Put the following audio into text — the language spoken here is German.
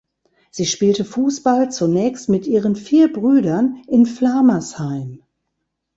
Sie spielte Fußball zunächst mit ihren vier Brüdern in Flamersheim.